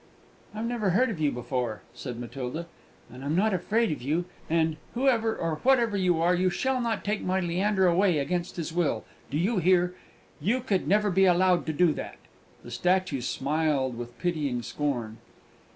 "I never heard of you before," said Matilda, "but I'm not afraid of you. And, whoever or whatever you are, you shall not take my Leander away against his will. Do you hear? You could never be allowed to do that!" The statue smiled with pitying scorn.